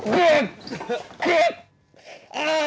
ああ！